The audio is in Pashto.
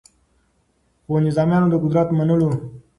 خو نظامیانو د قدرت منلو